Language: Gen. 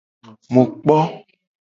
Mu kpo.